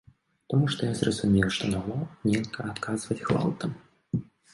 Таму што я зразумеў, што на гвалт нельга адказваць гвалтам.